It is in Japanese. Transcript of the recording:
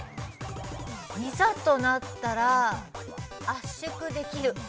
◆いざとなったら、圧縮できる。